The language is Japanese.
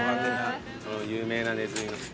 有名なネズミの。